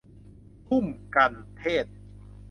พุ่มกัณฑ์เทศน์